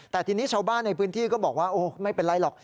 แต่ทีนี้ชาวบ้านในพื้นที่ก็บอกว่าโอ้ไม่เป็นไรหรอก